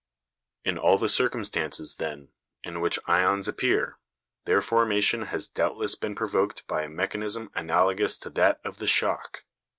In all the circumstances, then, in which ions appear, their formation has doubtless been provoked by a mechanism analogous to that of the shock.